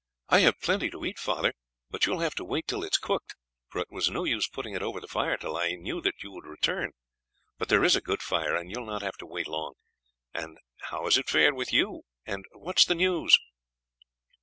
"I have plenty to eat, father; but you will have to wait till it is cooked, for it was no use putting it over the fire until I knew that you would return; but there is a good fire, and you will not have to wait long. And how has it fared with you, and what is the news?"